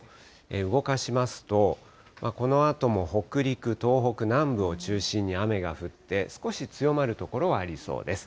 動かしますと、このあとも北陸、東北南部を中心に雨が降って、少し強まる所はありそうです。